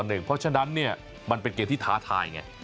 เพราะฉะนั้นมันเป็นเกมที่ท้าทายไง